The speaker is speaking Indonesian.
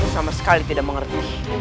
sama sekali tidak mengerti